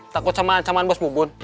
takut sama ancaman bos bubun